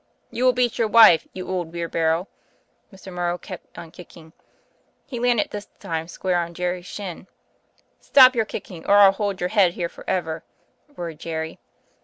'You will beat your wife, you old beer barrel.' Mr. Morrow kept on kicking. He landed this time square on Jerry's shin. 'Stop your kick ing, or I'll hold your head here forever,' roared Jerry.